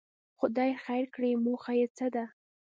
خدای خیر کړي، موخه یې څه ده.